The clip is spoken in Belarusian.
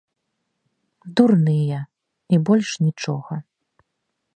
Дурныя, і больш нічога.